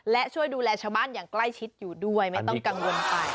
และช่วยดูแลชาวบ้านอย่างใกล้ชิดอยู่ด้วยไม่ต้องกังวลไป